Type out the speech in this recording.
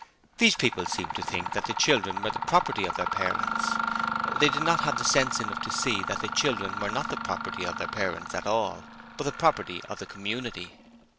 These people seemed to think that the children were the property of their parents. They did not have sense enough to see that the children are not the property of their parents at all, but the property of the community.